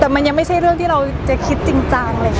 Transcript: แต่มันยังไม่ใช่เรื่องที่เราจะคิดจริงจังเลยค่ะ